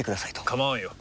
構わんよ。